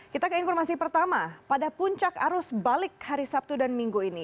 kita ke informasi pertama pada puncak arus balik hari sabtu dan minggu ini